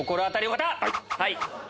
はい！